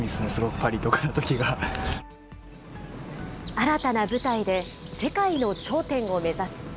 新たな舞台で世界の頂点を目指す。